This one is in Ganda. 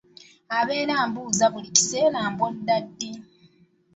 Abeera ambuuza buli kiseera mbu odda ddi?